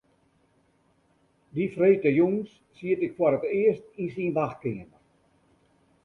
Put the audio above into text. Dy freedtejûns siet ik foar it earst yn syn wachtkeamer.